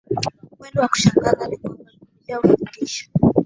Ukweli wa kushangaza ni kwamba Biblia hufundisha